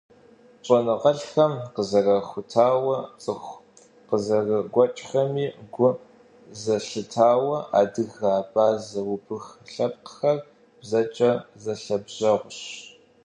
Щӏэныгъэлӏхэм къызэрахутауэ, цӏыху къызэрыгуэкӏхэми гу зэрылъатауэ, адыгэ, абазэ, убых лъэпкъхэр бзэкӏэ зэлъэбжьэгъущ.